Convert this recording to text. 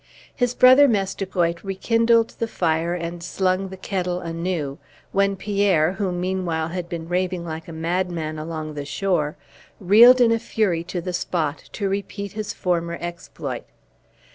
His brother Mestigoit rekindled the fire, and slung the kettle anew; when Pierre, who meanwhile had been raving like a madman along the shore, reeled in a fury to the spot to repeat his former exploit.